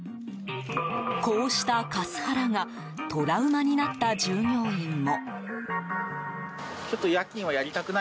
こうしたカスハラがトラウマになった従業員も。